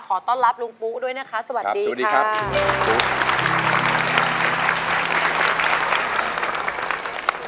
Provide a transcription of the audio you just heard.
ขอต้อนรับลุงปุ๊กด้วยนะคะสวัสดีค่ะสวัสดีครับ